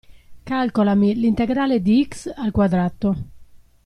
Calcolami l'integrale di x al quadrato.